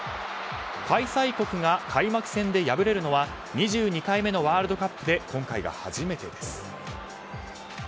開催国が開幕戦で敗れるのは２２回目のワールドカップで今回が初めてです。